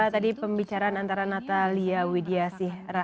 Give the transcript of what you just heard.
tadi pembicaraan antara natalia widiasihra